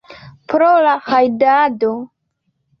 Pro la rajdado.